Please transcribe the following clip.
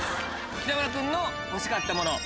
北村君の欲しかったもの。